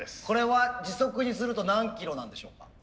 これは時速にすると何キロなんでしょうか。